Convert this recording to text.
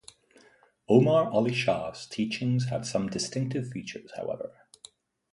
Omar Ali-Shah's teachings had some distinctive features, however.